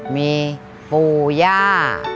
มีปู่ย่า